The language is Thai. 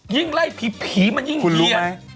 ยิ่งไล่ผีผีมันยิ่งเพียง